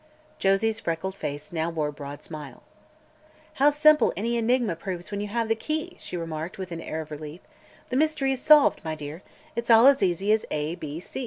Josie's freckled face now wore a broad smile. "How simple any enigma proves when you have the key," she remarked, with an air of relief. "The mystery is solved, my dear! It's all as easy as A.